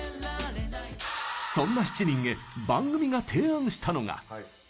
そんな７人へ番組が提案したのが。